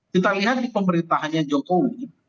kita lihat di pemerintahannya jokowi